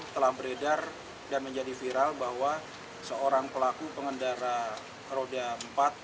telah beredar dan menjadi viral bahwa seorang pelaku pengendara roda empat